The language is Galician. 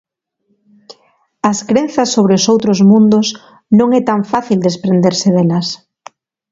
As crenzas sobre os outros mundos non é tan fácil desprenderse delas.